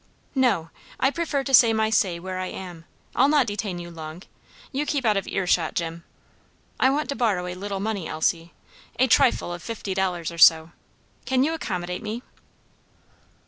"No, I prefer to say my say where I am. I'll not detain you long. You keep out of earshot, Jim. I want to borrow a little money, Elsie; a trifle of fifty dollars or so. Can you accommodate me?"